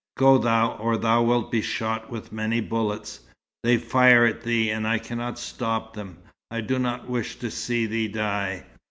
"Go thou, or thou wilt be shot with many bullets. They fire at thee and I cannot stop them. I do not wish to see thee die."